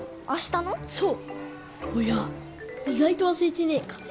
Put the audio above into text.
親意外と忘れてねえか？